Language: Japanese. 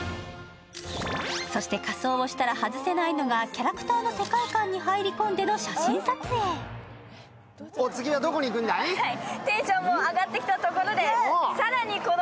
そして、仮装をしたら外せないのがキャラクターの世界観に入り込んでの写真撮影いいじゃない。